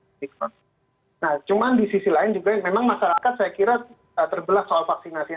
nah cuman di sisi lain juga memang masyarakat saya kira terbelah soal vaksinasi